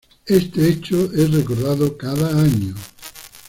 Este hecho es recordado cada año.